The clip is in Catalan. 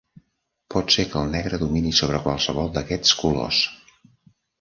Pot ser que el negre domini sobre qualsevol d'aquests colors.